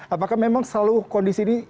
apakah memang seluruh kondisi ini